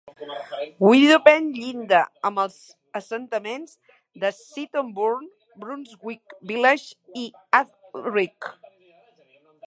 Wideopen llinda amb els assentaments de Seaton Burn, Brunswick Village i Hazlerigg.